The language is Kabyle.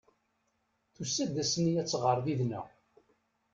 Tusa-d ass-nni ad tɣer did-neɣ.